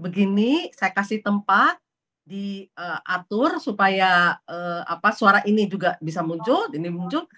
begini saya kasih tempat diatur supaya suara ini juga bisa muncul ini muncul